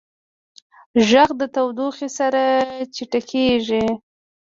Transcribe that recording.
غږ د تودوخې سره چټکېږي.